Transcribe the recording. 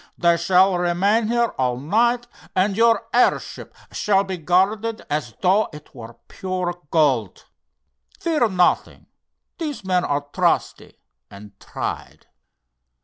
They shall remain here all night, and your airship shall be guarded as though it were pure gold. Fear nothing, these men are trusty and tried."